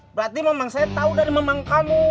berarti memang saya tahu dari memang kamu